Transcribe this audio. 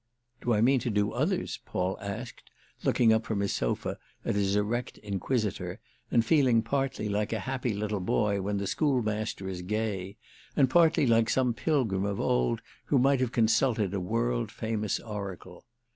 "Do I mean to do others?" Paul asked, looking up from his sofa at his erect inquisitor and feeling partly like a happy little boy when the school master is gay, and partly like some pilgrim of old who might have consulted a world famous oracle.